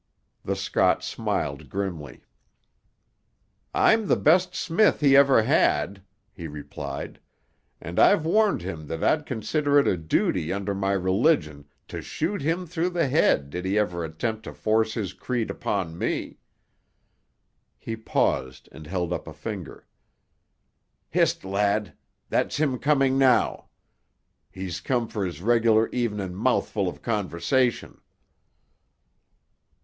The Scot smiled grimly. "I'm the best smith he ever had," he replied, "and I've warned him that I'd consider it a duty under my religion to shoot him through the head did he ever attempt to force his creed upon me." He paused and held up a finger. "Hist, lad. That's him coming noo. He's come for his regular evening's mouthfu' of conversation."